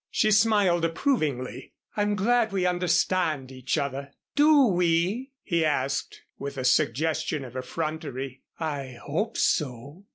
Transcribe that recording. She smiled approvingly. "I'm glad we understand each other." "Do we?" he asked with a suggestion of effrontery. "I hope so."